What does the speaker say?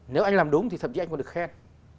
nếu anh làm đúng thì thậm chí anh còn được khen